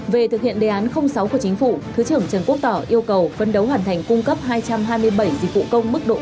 về thực hiện đề án sáu của chính phủ thứ trưởng trần quốc tỏ yêu cầu phân đấu hoàn thành cung cấp hai trăm hai mươi bảy dịch vụ công mức độ bốn